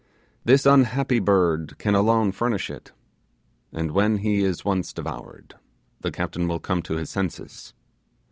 This unhappy bird can alone furnish it; and when he is once devoured, the captain will come to his senses.